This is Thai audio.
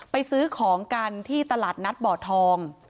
ไปซื้อของกันที่ตลาดนัดบ่อทอง